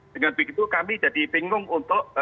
dengan begitu kami jadi bingung untuk